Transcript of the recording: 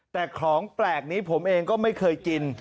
แต่ของแปลกนี้ผมเองก็ไม่เคยกิน